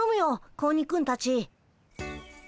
子鬼くんたち。